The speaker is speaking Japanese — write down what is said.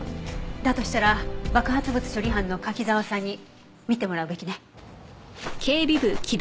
だとしたら爆発物処理班の柿沢さんに見てもらうべきね。